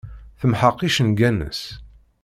Temḥeq icenga-nnes.